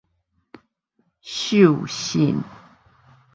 授信